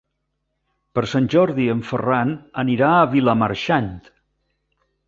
Per Sant Jordi en Ferran anirà a Vilamarxant.